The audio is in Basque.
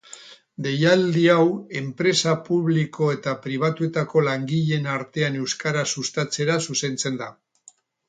Deialdi hau enpresa publiko eta pribatuetako langileen artean euskara sustatzera zuzentzen da.